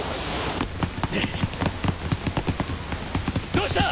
どうした！？